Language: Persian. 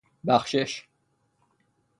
بخشش